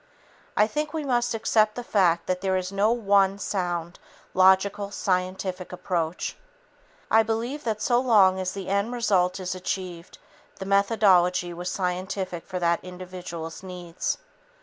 I think we must accept the fact that there is no one sound, logical, scientific approach. I believe that so long as the end result is achieved, the methodology was scientific for that individual's needs.